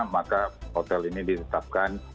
maka hotel ini ditetapkan